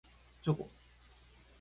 チョコ